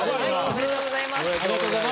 おめでとうございます。